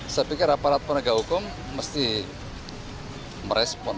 saya pikir aparat penegak hukum mesti merespon